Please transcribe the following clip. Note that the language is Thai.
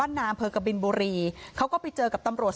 อาจจะทิ้งให้ดังไงเขาบอกว่าสกมันหล่นอไว้เอง